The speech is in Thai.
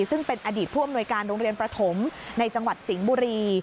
ซึ่งเป็นอดีตผู้อำนวยการโรงเรียนประถมในจังหวัดสิงห์บุรี